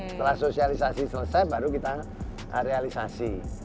setelah sosialisasi selesai baru kita realisasi